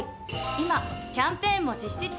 今キャンペーンも実施中！